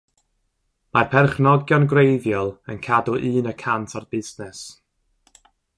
Mae'r perchnogion gwreiddiol yn cadw un y cant o'r busnes.